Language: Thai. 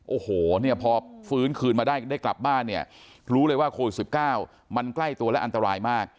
โอ้โหเนี่ยพอฟื้นคืนมาได้ได้กลับบ้านเนี่ยรู้เลยว่าโควิด๑๙มันใกล้ตัวและอันตรายมาก